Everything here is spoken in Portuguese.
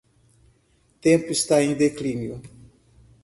Tempo está em declínio